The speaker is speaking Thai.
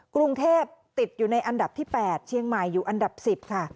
กรุงเทพติดอยู่ในอันดับที่๘เชียงใหม่อยู่อันดับ๑๐ค่ะ